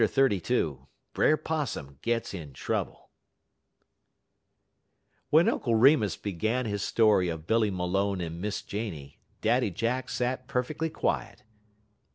XXXII BRER 'POSSUM GETS IN TROUBLE When Uncle Remus began his story of Billy Malone and Miss Janey, Daddy Jack sat perfectly quiet.